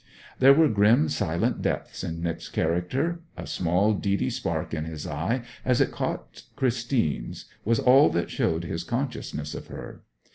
There were grim silent depths in Nic's character; a small deedy spark in his eye, as it caught Christine's, was all that showed his consciousness of her.